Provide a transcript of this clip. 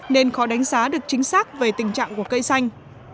nên khó đánh giá được chính xác về tình trạng của cây xanh